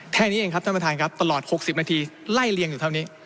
แค่นี้เองครับท่านประธานครับตลอด๖๐นาทีไล่เรียงอยู่เท่านี้